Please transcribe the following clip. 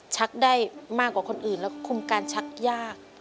ชักได้มากกว่าคนอื่นแล้วคุมการชักยาก